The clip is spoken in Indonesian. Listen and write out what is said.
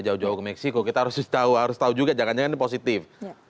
jauh jauh ke meksiko kita harus tahu harus tahu juga jangan jangan positif